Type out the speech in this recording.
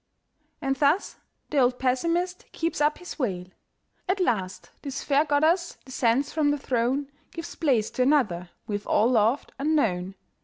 And thus the old pessimist keeps up his wail. At last this fair goddess descends from the throne, Gives place to another we've all loved and known.